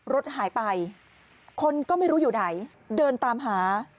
รถหายไปคนก็ไม่รู้อยู่ไหนเดินตามหา